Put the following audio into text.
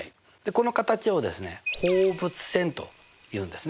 この形をですね放物線というんですね。